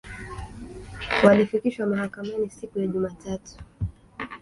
walifikishwa mahakamani siku ya Jumatatu